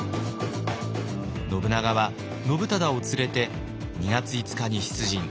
信長は信忠を連れて２月５日に出陣。